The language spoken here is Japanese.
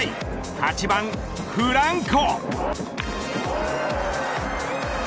８番フランコ。